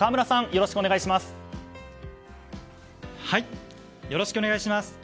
よろしくお願いします。